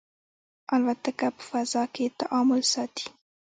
الوتکه په فضا کې تعادل ساتي.